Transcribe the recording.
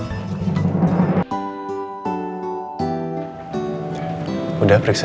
oke dulu menunggu ya